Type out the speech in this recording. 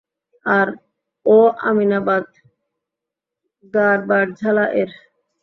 আর ও আমিনাবাদ, গাড়বারঝালা এর।